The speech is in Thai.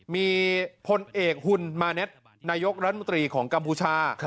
มีพลเอกหุ่นมาเน็ตนายกรัฐมนตรีของกัมพูชา